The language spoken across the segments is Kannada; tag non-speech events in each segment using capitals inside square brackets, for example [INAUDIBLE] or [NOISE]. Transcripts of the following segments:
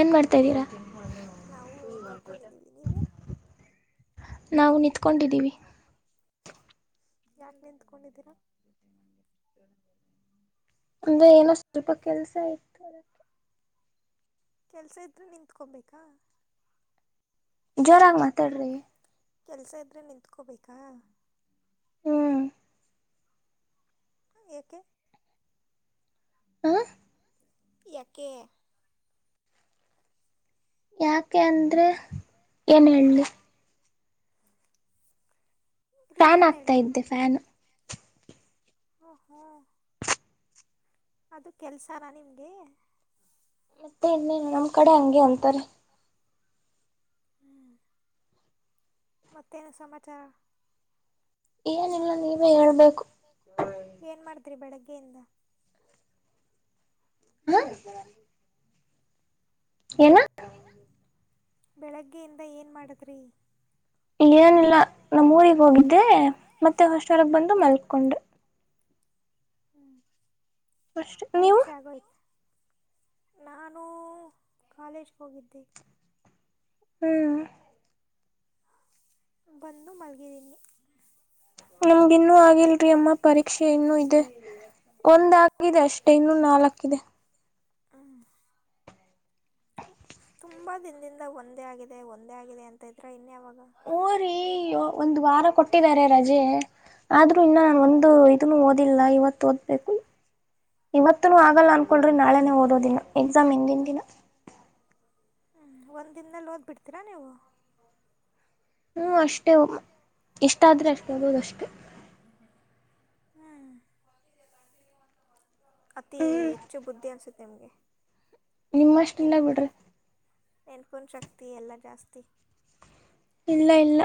ಏನ್ ಮಾಡ್ತಾದೀರಾ ನಾವು ಮಲ್ಕೊಂಡಿದ್ದೀವಿ ನೀವು ನಾವು ನಿತ್ಕೊಂಡಿದ್ದೀವಿ ಯಾಕೆ ನಿತ್ಕೊಂಡಿದ್ದೀರಾ ಅಂದ್ರೆ ಏನೋ ಸ್ವಲ್ಪ ಕೆಲ್ಸ ಇತ್ತು ಅದಕ್ಕೆ ಕೆಲ್ಸ ಇದ್ರೆ ನಿಂತ್ಕೊಬೇಕಾ. ಜೋರಾಗ್ ಮಾತಾಡ್ರಿ ಕೆಲ್ಸ ಇದ್ರೆ ನಿಂತ್ಕೋಬೇಕಾ ಹ್ಮ್ ಏಕೆ ಹು ಎಕೆ ಯಾಕೆ ಅಂದ್ರೆ ಏನ್ ಹೇಳ್ಲಿ ಫ್ಯಾನ್ ರೀಸನ್ ಆಗ್ತಾ ಹೇಳ್ರಿ ಇದ್ದೆ ಫ್ಯಾನು ಹಓ ಹ್ ಅದು ಕೆಲ್ಸ್ ನಿಮ್ಗೆ ಮತ್ತೆ ಇನ್ನೇನು ನಮ್ ಕಡೆ ಹಂಗೆ ಅಂತಾರೆ. ಹ್ಮ ಮತ್ತೇನ್ ಸಮಾಚಾರ ಏನಿಲ್ಲ ನೀವೇ ಹೇಬೇಕು. [UNINTELLIGIBLE] ಬೆಳಗೆಯಿಂದ ಹ್ಮ ಏನ ಬೆಳಗ್ಗೆಯಿಂದ ಏನ್ ಮಾಡುದ್ರಿ ಏನಿಲ್ಲ ನಮ್ಮ ಉರಿಗ್ ಹೋಗಿದ್ದೆ ಮತ್ತೆ ಹುಷರಾಗ್ ಬಂದು ಮಲ್ಕೊಂಡೆ. ಹ್ಞ ಅಷ್ಟೆ ನೀವು ಪರೀಕ್ಷೆ ಆಗೋಯ್ ನಾನು ಕಾಲೇಜ್ಗ್ ಹೋಗಿದ್ದೆ. ಹ್ಮ್ ಬಂದು ಮಲ್ಗಿದ್ದೀನಿ ನಮ್ಗಿನ್ನೂ ಆಗಿಲ್ರಿ ಅಮ್ಮ ಪರೀಕ್ಷೆ ಇನ್ನೂ ಇದೆ. ಒಂದ್ ಆಗಿದೆ ಅಷ್ಟೆ ಇನ್ನುೂ ನಾಲ್ಕಿದೆ ಹ್ಮ ತುಂಬಾ ದಿನ್ದಿಂದ ಒಂದೇ ಆಗಿದೆ ಒಂದೇ ಆಗಿದೆ ಅಂತ ಇದ್ರೆ ಇನ್ನ ಯಾವಾಗ್ ಊ ರೀ ಒಂದ್ ವಾರ ಕೊಟ್ಟಿದ್ದಾರೆ ರಜೆ ಆದ್ರೂ ಇನ್ನ ಒಂದು ಇದನು ಓದಿಲ್ಲ ಇವತ್ ಓದ್ಬೇಕು. ಇವತುನು ಆಗಲ್ಲ ಅನ್ಕೊಂಡ್ರೆ ನಾಳೆ ನೆ ಓದೋದಿನ ಎಕ್ಸಾಮ್ ಇಂದಿನ್ ದಿನ. ಹ್ಞ ಒಂದು ದಿನ್ದಲ್ ಓದ್ ಬಿಡ್ತೀರಾ ನೀವು. ಹ್ಮ ಅಷ್ಟೇ ಉಮ ಇಷ್ಟಾದ್ರೆ ಅಷ್ಟೇ ಓದದು ಅಷ್ಟೆ. ಹ್ಮ್ ಅತಿ ಹ್ಮ್ ಹೆಚ್ಚು ಬುದ್ಧಿ ಅನ್ಸುತ್ ನಿಮ್ಗೆ ನಿಮ್ಅಷ್ಟ್ ಇಲ್ಲ ಬಿಡ್ರಿ ನೆನ್ಪಿನ್ ಶಕ್ತಿ ಎಲ್ಲ ಜಾಸ್ತಿ. ಇಲ್ಲ ಇಲ್ಲ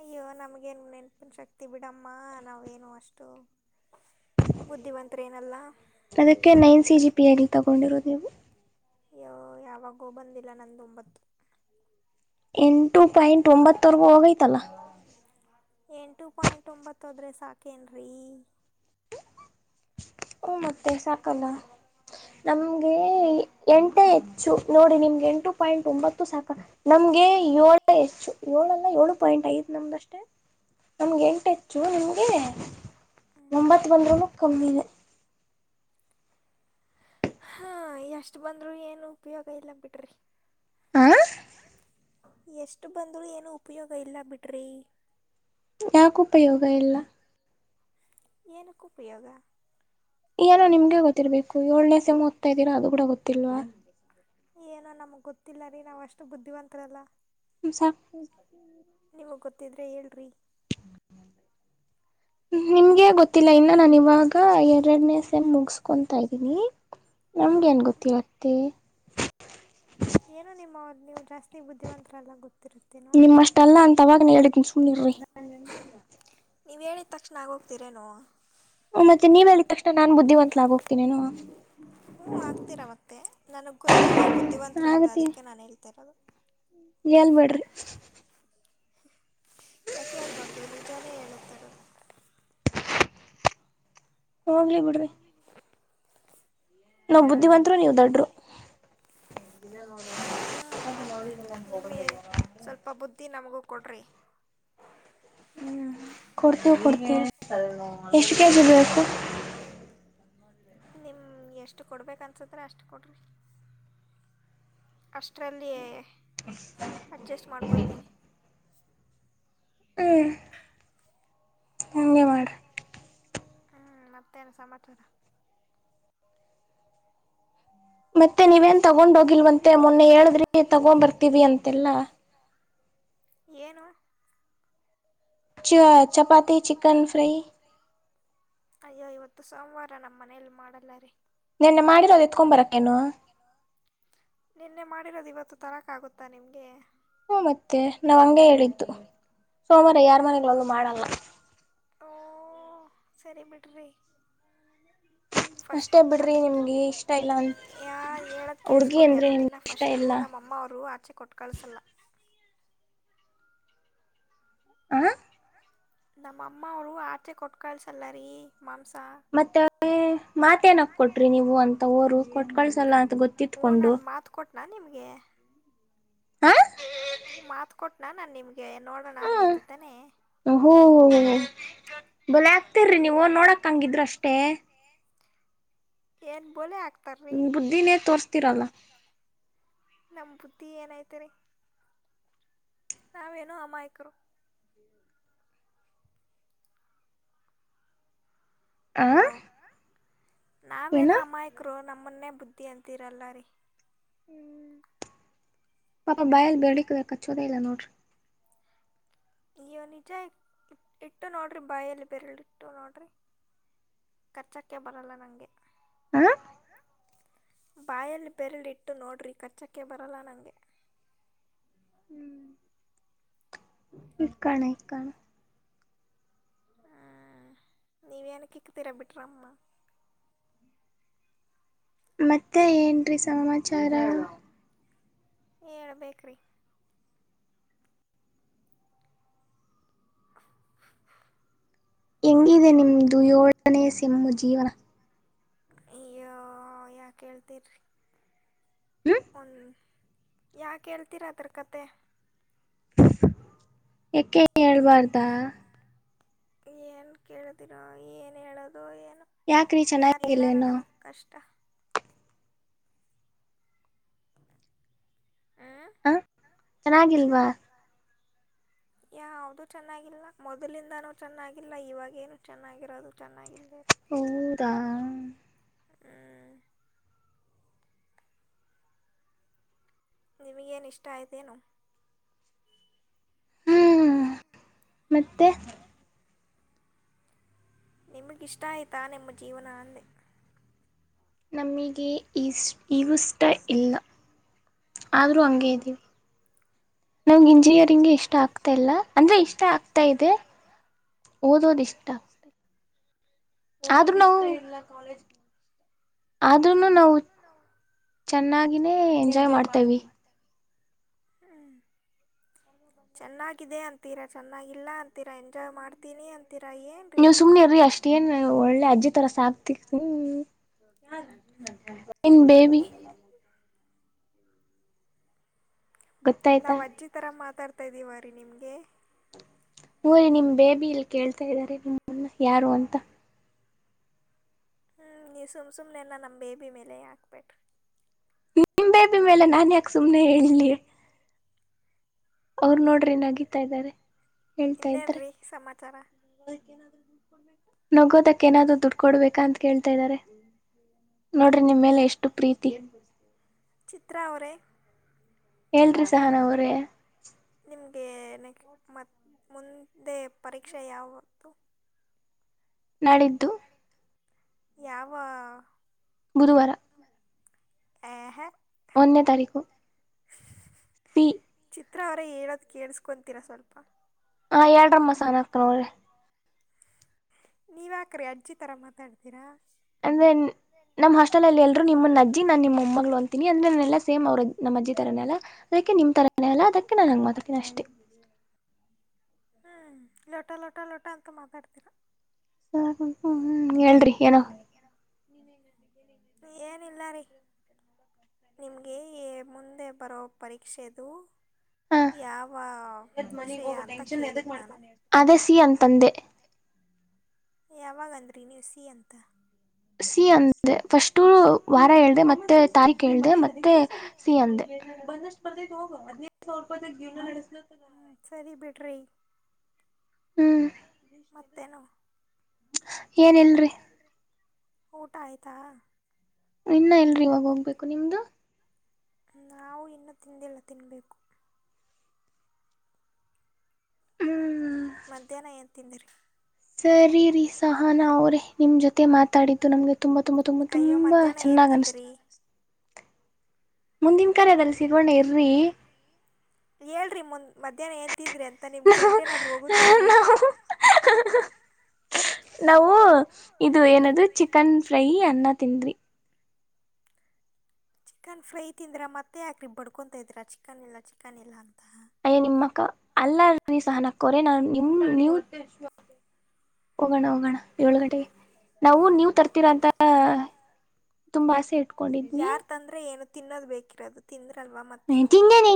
ಅಯ್ಯೋ ನಮ್ಗೇನ್ ನೆನ್ಪನ್ ಶಕ್ತಿ ಬಿಡಮ್ಮ ನಾವೇನು ಅಷ್ಟು. ಬುದ್ಧಿವಂತರೇನಲ್ಲ ಅದಿಕ್ಕೆ ನೈನ್ ಸಿ ಜಿ ಪಿಎ ನೀವ್ ತಗೊಂಡಿರೋದು ನೀವು. ಯ್ಯೋ ಯಾವಾಗೋ ಬಂದಿಲ್ಲ ನಂದ್ ಒಂಬತ್ತು. ಎಂಟು ಪಾಯಿಂಟ್ ಒಂಬತ್ತವರೆಗೂ ಹೋಗೈತಲ್ಲ. ಎಂಟು ಪಾಯಿಂಟ್ ಒಂಬತ್ತದ್ರರೆ ಸಾಕೇನ್ರೀ. ಹು ಮತ್ತೆ ಸಾಕಲ್ಲ. ನಮ್ಗೆ ಎಂಟು ಹೆಚ್ಚು ನೋಡಿ ನಿಮ್ಗೆ ಎಂಟು ಪಾಯಿಂಟ್ ಒಂಬತ್ತು ಸಾಕ ನಮ್ ಗೆ ಏಳು ಹೆಚ್ಚು ಏಳಲ್ಲ ಏಳು ಪಾಯಿಂಟ್ ಐದ್ ನಮ್ದಷ್ಟೇ. ನಮ್ಗೆ ಎಂಟು ಹೆಚ್ಚು ನಿಮ್ಗೆ ಒಂಬತ್ ಬಂದ್ರೂನು ಕಮ್ಮಿನೇ. [UNINTELLIGIBLE] ಹಾ ಎಷ್ಟು ಬಂದ್ರರು ಏನು ಉಪಯೋಗ ಇಲ್ಲ ಬಿಡ್ರಿ. [UNINTELLIGIBLE] ಎಷ್ಟು ಬಂದಳು ಏನು ಉಪಯೋಗ ಇಲ್ಲ ಬಿಡ್ರಿ. ಯಾಕ ಉಪಯೋಗ ಇಲ್ಲ - ಏದಕ್ಕ ಉಪಯೋಗ ಏನೋ ನಿಮ್ಗೆ ಗೊತ್ತಿರ್ಬೇಕು ಎಳ್ನೋ ಸೇಮ್ ಓದತಾ ಇದ್ದೀರಾ ಅದು ಕೂಡ ಗೊತ್ತಿಲ್ವಾ? ಏನೋ ನಮಗ್ ಗೊತ್ತಿಲ್ಲ ರೀ ನಾವ್ ಅಷ್ಟು ಬುದ್ಧಿವಂತರಲ್ಲ. ಸಾಕ ತ್ತಿದ್ರೆ ಹೇಳ್ರಿ. [UNINTELLIGIBLE] ನಿಮ್ಗೆ ಗೊತ್ತಿಲ್ಲ ಇನ್ನ ನಾನು ಇವಾಗ ಎರಡನೇ ಸೆಮ್ ಮುಗಸ್ಕೊತಾ ಇದ್ದೀನಿ. ನಮ್ಗೆನ ಗೊತ್ತಿರುತ್ತೆ. ಏನೋ [INAUDIBLE] ನೀವು ಜಾಸ್ತಿ ಬುದ್ಧಿವಂತರಲ್ಲ ಗೊತ್ತಿರುತ್ತೇನೋ ಅಂತ ನಿಮ್ಮಷ್ಟಲ್ಲ ಅಂತ ಅವಾಗನ ಹೇಳಿದೀನಿ ಸುಮ್ನಿರಿ. ನೀವು ಹೇಳಿದ ತಕ್ಷಣ ಆಗಿ ಹೋಗ್ತೀರೇನು? ಮತ್ತೆ ನೀವ ಹೇಳಿದ ತಕ್ಷಣ ನಾನ್ ಬುದ್ಧಿವತ್ಲಾಗ ಹೋಗ್ತೀನೇನು. ನನಗ್ ಗೊತ್ತು ನೀವು ಬುದ್ಧಿವಂತರು ಅಂತ ಅದಕ್ಕೆ ನಾನು ಹೇಳ್ತಾ ಇರೋದು. ಹೇಳ್ಬೇಡ್ರಿ. ಯಾಕ ಹೇಳ್ಬಾರ್ದು ನಿಜಾನೇ ಹೇಳ್ತಾರೋದು. ಹೋಗ್ಲಿ ಬಿಡ್ರಿ. ನಾವ ಬುದ್ಧಿವಂತರು ನೀವ ದಡ್ಡ್ರು. [INAUDIBLE] ಹ್ಞೂ ನಿಮಗೆ ಸ್ವಲ್ಪ ಬುದ್ಧಿ ನಮಗೂ ಕೊಡ್ರಿ. ಹ್ಮ್ ಕೊಡ್ತೇವಿ ಕೊಡ್ತೇವಿ ಎಷ್ಟು ಕೆಜಿ ಬೇಕು? ನಿಮ್ಮ ಎಷ್ಟು ಕೊಡ್ಬೇಕು ಅನ್ಸಿದ್ರ ಅಷ್ಟು ಕೊಡ್ರರಿ. ಅಷ್ಟರಲ್ಲಿಯೇ [UNINTELLIGIBLE] ಮಾಡ್ಕೊತೀನಿ. ಹ್ಮ್ ಹಂಗೆ ಮಾಡ್ರಿ ಹ್ಮ್ ಮತ್ತೇನ ಸಮಾಚಾರ ಮತ್ತೆ ನೀವೇನ್ ತಗೊಂಡ ಹೋಗಿಲ್ವಂತೆ ಮೊನ್ನೆ ಹೇಳಿದ್ರಿ ತಗೊಂದ ಬರ್ತೀವಿ ಅಂತೆಲ್ಲಾ ಏನು? ಚ ಚಪಾತಿ ಚಿಕನ್ ಫ್ರೈ ಅಯ್ಯೋ ಇವತ್ತು ಸೋಮವಾರ ನಮ್ಮ್ ಮನೇಲಿ ಮಾಡಲ್ಲ ರೀ. ನಿನ್ನೆ ಮಾಡಿರೋದು ಎತ್ಕೊಂದ ಬರಕ್ಕೇನು ನಿನ್ನೆ ಮಾಡಿರೋದು ಇವತ್ತು ತರಕ್ ಆಗುತ್ತಾ ನಿಮ್ಗೆ ಹ್ಮ ಮತ್ತೆ ನಾವ್ ಹಂಗೆ ಹೇಳಿದ್ದು ಸೋಮವಾರ ಯಾರ್ ಮನೆಗಳಲ್ಲೂ ಮಾಡಲ್ಲ. ಓ ಸರಿ ಬಿಡ್ರಿ. ಫಸ್ಟ್ ಅಷ್ಟೇ ಬಿಡ್ರಿ ಅದಕ್ಕೆ ನಿಮ್ಗೆ ಇಷ್ಟ ಇಲ್ಲ ಅ ಯಾ ಹುಡ್ಗಿ ಅಂದ್ರೆ ನಿಮ್ಗೆ ಇಷ್ಟ ಇಲ್ಲ. ನಮ್ಮವರು ಆಚೆ ಕೊಟ್ಟು ಕಳಿಸಲ್ಲ. ಹ್ಮ್ ನಮ್ಮ ಅಮ್ಮ ಅವ್ರು ಆಚೆ ಕೊಟ್ಕಳ್ಸಲ್ಲರಿ. ಮತ್ತೆ ಮಾತ್ ಏನಕ್ ಕೊಟ್ರಿ ನೀವು ಅಂತ ಊರು ಕೊಟ್ ಕಳ್ಸಲ್ಲ ಗೊತ್ತಿತ್ಕೊಂಡು. ನಾ ನಿಮಗೆ ಹಾ ಮಾತ್ ಕೊಟ್ನಾ ನಾ ನಿಮ ಗೆ ನೋಡೋಣ ಅಂದಿದ್ದು ಹ್ಮ ತಾನೆ ಹೂ ಬಲೆ ಆಗ್ತಿರಿ ನೀವು ನೋಡಕ್ ಹಂಗಿದ್ರ ಅಷ್ಟೇ ಏನ್ ಬ ಆ ನಿ ಬುದ್ಧಿನೇರ್ ತೋರ್ಸ್ತೀರಲ್ಲ ನಮ್ ಬುತ್ತಿ ಏನಾಯ್ತರಿ ನಾ ವೇಣು ಅಮ್ಮಾಯಕರೋ ಆ ಹಲೋ ನಾ ಏನ ವಣು ಅಮ್ಮಕರೋ ನಮ್ಮ ನಮ್ಮನ್ನೇ ಬುದ್ಧಿ ಅಂತೀರಲ್ಲ ರೀ ಹ್ಮ ಪಾಪ ಬಯಲ್ ಬೇಡಕ್ಬೇಕಚ್ಚೋದ ಇಲ್ಲ ನೋಡ್ರಿ ಅಯ್ಯ ನಿಜ ಇಟ್ಟು ನೋಡ್ರಿ ಬಾಯಲ್ಲಿ ಬರಲ್ ಇಟ್ಟು ನೋಡ್ರಿ ಕರ್ಚಕ್ಕೆ ಬರಲ್ಲ ನಂಗೆ ಹ ಬಾಯಲ್ ಬೆರಳ ಇಟ್ಟು ನೋಡ್ರಿ ಕಚ್ಚಕ್ಕೆ ಬರಲ್ಲ ನಂಗೆ ಹ್ಮ ಇಕ್ಕಣ ಇಕ್ಕಣ ಹ ನೀವನಕಿಕ್ಕ ತಿರಬಿಟರಮ್ಮ ಮತ್ತೆ ಏನ್ರೀ ಸಮಾಚಾರ ಹಏಳ್ಬೇಕು್ರೀ ಎಂಗಿದೆ ನಿಮ ದುಯೊಳನ ಸಿಮ್ಮು ಜೀವನ ಈ ಯಾ ಹೇಳ್ತರಿಿ ಹ್ಮ್ ಒನ್ ಯಾೇಳ್ತೀರಾದರಕತೆೆ ಯಕೆ ಹೇಳ್ಬಾರ್ದಾ ಏನ್ ಕೇಳಿದಿರೋ ಏನ್ ಹೇಳೋದು ಏನ್ ಯಾಕ್ರಿ ಯಾರು ಹೇಳಲ್ಲ ಚೆನ್ನಾಗಿಲ್ವೇನೋ ನಮ್ ಕಷ್ಟ ಹ್ಞೂ ಹ ಚೆನ್ನಾಗಿಲ್ವಾ ಯಾವದುೂ ಚೆನ್ನಾಗಿಲ್ಲ ಮೊದ್ಲಿಂದಾನೂ ಚೆನ್ನಾಗಿಲ್ಲ ಇವಾಗೇನು ಚೆನ್ನಾಗಿರೋದು ಚೆನ್ನಾಗಿಲ್ದೆೇ ಹೌದಾ ಆ ನಿಮಗೇನು ಇಷ್ಟ ಆಯತೇನುೋ ಹ್ಮ್ ಮತ್ತೆ ನಿಮಗಿಷ್ಟ ಆಯತಾ ನಿಮ್ಮ ಜೀವನ ಅಂದೆ ನಮಗ ಇಷ್ಟ ಇವುಷ್ಟ ಇಲ್ಲ ಆದರೂ ಹಂಗೇ ಇದ್ದೀವಿ ನಮಗೆ ಇಂಜಿನಿಯರಿಂಗ್ ಇಷ್ಟ ಆಗ್ತಾ ಇಲ್ಲ ಅಂದ್ರೆ ಇಷ್ಟ ಆಗ್ತಾ ಇದೆ ಓದೋದ್ ಇಷ್ಟ ಆಗ್ತ ಆದ್ರೂ ನಾವು ಕಾಲೇಜ್ ಆದ್ೂನು ನಾವು ಚೆನ್ನಾಗಿಿನೇ ಎಂಜಾಯ್ ಮಾಡ್ತೇವಿ ಹ್ಮ್ ಚೆನ್ನಾಗಿದೆ ಅಂತೀರಾ ಚೆನ್ನಾಗಿಲ್ಲ ಅಂತೀರಾ ಎಂಜಾಯ್ ಮಾಡ್ತೀನಿ ಅ ನೀವ್ ಸುಮ್ನೆಿರ್ರಿ ಅಷ್ಟ ಏನ್ ಒಳ್ಳೆ ಅಜ್ಜಿ ತರ ಸಾಕ್ತಿಕ್ ಇನ್ ಬೇಬಿ ಗೊತ್ತಾಯ್ತಾ ನಾವು ಅಜ್ಜಿ ತಥರ ಮಾತಾಡ್ತಾ ಇದ್ದೀವ ರೀ ನಿಮ್ಗೆ ಊರಿ ನಿಮ ಬೇಬಿ ಇಲ್ಲಿ ಕೇಳ್ತಾ ಇದಾರೆ ನಿಮ್ಮನ್ನ ಯಾರು ಅಂತ ಹ್ಞೂ ಈ ಸುಮ್ ಸುಮ್ಮ್ನೆಲ್ಲ ನಮ್ಮ ಬೇಬಿ ಮೇಲೆ ಹಾಕ್ಬೇಟ್ರಿ ನಿ ಬೇಬಿ ಮೇಲೆ ನನ್ ಯಾಕೆ ಸುಮ್ನೆ ಹೇಳಲಿ ಅವರು ನೋಡ್ರಿ ನಗಿತಾ ಇದಾರೆ ಹೇಳ್ತಾ ಇನ್ನೇನು ಇದ್ರೆ ರೀ ಸಮಾಚಾರ ನಗೋದಕ್ ಏನಾದ್ರು ದುಡ್ಡು ಕೊಡ್ಬೇಕ ಅಂತ ಕೇಳ್ತಾ ಇದ್ದಾರೆ ನೋಡ್ರಿ ನಿಮ್ಮೇಲೆ ಎಷ್ಟು ಪ್ರೀತಿ ತಾವ್ರ ಹೇಳ್ರಿ ಸಹನ ಅವ್ರೇ ಗೆ ನೆಕ್ ಮತ್ ಮುಂದೆ ಪರೀಕ್ಷೆ ಯಾವತ್ತು. ನಾಳಿದ್ದು ಯಾವ ಗುರುವಾರ ಹ್ಯಾ ಹ ಒಂದನೇ ತಾರೀಕು ಸಿ ಚಿತ್ರ ಅವರೇ ಹೇಳೋದ್ ಕೇಳಸ್ಕೊಂತೀರಾ ಸ್ವಲ್ಪ. ಹ ಹೇಳ್ರಮ್ಮ ಸಹಾನ ಅಕ್ಕನವರೇ ನೀವ್ ಯಾಕ್ರಿ ಅಜ್ಜಿ ತರಾ ಮಾತಾಡ್ತೀರಾ? ಅನ್ ನಮ್ಮ್ ಹಾಸ್ಟೆಲ್ ಅಲ್ಲಿ ಎಲ್ಲೂರು ನಿಮ್ಮನ ಅಜ್ಜಿ ನನ್ ನಿಮ್ ಮೊಮ್ಮಗಳು ಅಂತೀನಿ ಅಂದ್ರೆ ನಾ ಎಲ್ಲಾ ಸೇಮ್ ನಮ್ಮಜ್ಜಿ ತರನ್ನೆ ಅಲ್ಲ. ಅದಕ್ಕೆ ನಿಮ್ ತರಾನೇ ಅಲ್ಲ ಅದಕ್ಕೆ ನಾನು ಹಂಗ್ ಮಾತಾಡ್ತೀನಿ ಅಷ್ಟೇ. [INAUDIBLE] ಹ್ಮ್ ಲೊಟ ಲೊಟ ಲೊಟ ಅಂತ ಮಾತಾಡ್ತೀರ. ಹ್ಮ್ ಹೇಳ್ರಿ ಏನೋ. ಏನಿಲ್ಲ ರೀ [UNINTELLIGIBLE] ನಿಮಗೆ ಎ ಮುಂದೆ ಬರೋ ಪರೀಕ್ಷೆದು ಯಾವ ಯಾಕ್ ಮನೆಗ್ ವಿಷಯ ಹೋಗೊ ಅಂತ ಟೇಂಷನ್ ಯಾವುದಕ್ಕೆ ಕೇಳಿದ್ದು ನಾನು ಮಾಡಿಕೊಂಡೆ. ಅದೇ ಸಿ ಅಂತಂದೆ. ಯಾವಾಗ ಅಂದ್ರರಿ ನೀವು ಸಿ ಅಂತ ಸಿ ಅಂದೆ ಫಸ್ಟು ವಾರ ಹೇಳ್ದೆ ಮತ್ತೆ ತಾರೀಕ್ ಹೇಳ್ದೆ ಮತ್ತೆ ಸಿ ಅಂದೆ ಬಂದಷ್ಟು ಬರತ್ತೈದ್ ಹೋಗ್ ಹದಿನೈದ್ ಸಾವಿರ ರೂಪಾಯಿದಾಗ ಜೀವನ ನೆಡ್ಸ ಹ್ಮ ಸರಿ ಬಿಡ್ರಿ ಹ್ಮ್ ಮತ್ತೇನು ಏನ್ ಇಲ್ರಿ ಊಟ ಆಯ್ತಾ ಇನ್ನ ಇಲ್ರಿ ಇವಾಗ್ ಹೋಗ್ಬೇಕು ನಿಮ್ದು ನಾವು ಇನ್ನ ತಿಂದಿಲ್ಲ ತಿನ್ಬೇಕು ಹ್ಮ್ ಮಧ್ಯಾಹ್ನ ಏನ್ ತಿಂದ್ರೀ ಸರಿ ರೀ ಸಹನಾ ಅವ್ರೇ ನಿಮ್ ಜೊತೆ ಮಾತಾಡಿದ್ದು ನಮ್ಗೆ ತುಂಬಾ ತುಂಬಾ ತುಂಬಾ ತುಂಬಾ ಚನ್ನ್ ಏನ್ ತಿಂದ್ರಿ ಮುಂದಿನ ಕರೆ ಅದಲ್ಲಿ ಸಿಗೋಣ ಇರ್ರಿ ಹೇಳ್ರಿ ಮುಂದ್ ಮಧ್ಯಾಹ್ನ ಏನ್ ತಿಂದ್ರೀ ಅಂತ ನಿಮ್ಗೆ ಗಂಟ್ ಏನಾದ್ರೂ ಹೋಗುತ್ತೇನ್ ರೀ ನಾವು ನಾವು ಇದು ಏನದು ಚಿಕನ್ ಫ್ರೈ ಅನ್ನ ತಿಂದ್ವಿ ಚಿಕನ್ ಫ್ರೈ ತಿಂದ್ರಾ ಮತ್ತೆ ಯಾಕ್ ರೀ ಬಡ್ಕೊತ ಇದ್ದೀರಾ ಚಿಕನ್ ಇಲ್ಲ ಚಿಕನ್ ಇಲ್ಲ ಅಂತ. ಅಯ್ಯ ಅಲ್ಲ ರೀ ಸಹನ ಅಕ್ಕ ಅವರೇ ನನ್ ನಿಮ್ ನೀವ್ ಹೋಗೋಣ ಹೋಗೋಣ ಏಳು ಗಂಟೆಗೆ ನಾವು ನೀವ್ ತರ್ತೀರಾ ಅಂತ ತುಂಬಾ ಆಸೆ ಇಟ್ ಯಾರ್ ತಂದ್ರೆ ಏನು ತಿನ್ನೋದ್ ಬೇಕಿರೋದು ತಿಂದ್ ತಿಂದೇನೆ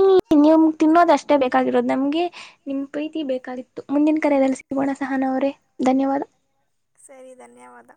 ನಿಮ್ ತಿನ್ನೋದ ಅಷ್ಟೇ ಬೇಕಾಗಿರೋದು ನಮ್ಗೆ ನಿಮ್ ಪ್ರೀತಿ ಬೇಕಾಗಿರ್ ತ್ತು ಮುಂದಿನ ಕರೆದಲ್ಲಿ ಸಿಗೋಣ ಸಹನ ಅವರೇ ಧನ್ಯವಾದ. ಸರಿ ಧನ್ಯವಾದ